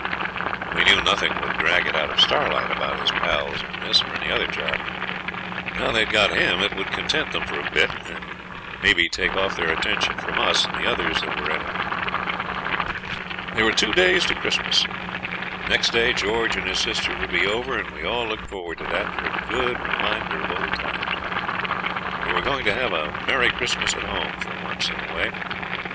We knew nothing would drag it out of Starlight about his pals in this or any other job. Now they'd got him, it would content them for a bit, and maybe take off their attention from us and the others that were in it. There were two days to Christmas. Next day George and his sister would be over, and we all looked forward to that for a good reminder of old times. We were going to have a merry Christmas at home for once in a way.